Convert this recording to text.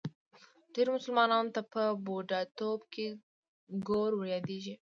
ډېری مسلمانانو ته په بوډاتوب کې ګور وریادېږي.